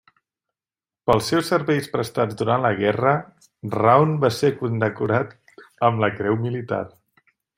Pels seus serveis prestats durant la guerra, Round va ser condecorat amb la Creu Militar.